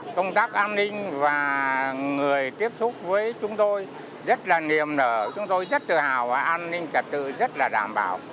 công tác an ninh và người tiếp xúc với chúng tôi rất là niềm nở chúng tôi rất tự hào và an ninh trật tự rất là đảm bảo